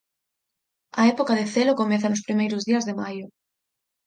A época de celo comeza nos primeiros días de maio.